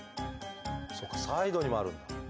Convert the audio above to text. そっかサイドにもあるんだ。